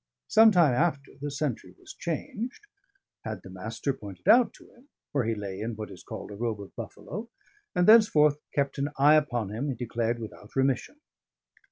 Some time after, the sentry was changed; had the Master pointed out to him, where he lay in what is called a robe of buffalo: and thenceforth kept an eye upon him (he declared) without remission.